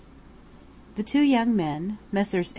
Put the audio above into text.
The two young men, Messrs.